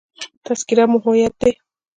تذکره مو هویت دی.